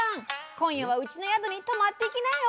今夜はうちの宿に泊まっていきなよ。